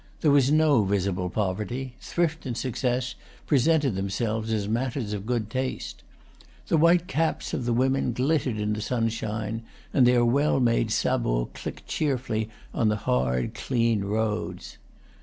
There was no visible poverty; thrift and success pre sented themselves as matters of good taste. The white caps of the women glittered in the sunshire, and their well made sabots clicked cheerfully on the hard, clean roads.